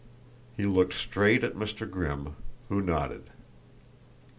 He looked straight at Mr. Grimm, who nodded.